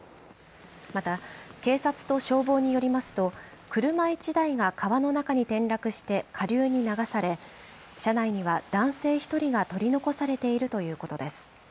また、警察と消防によりますと、車１台が川の中に転落して下流に流され、車内には男性１人が取り残されているということです。